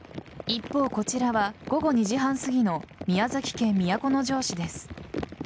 一方、こちらは午後２時半すぎの宮崎県都城市です。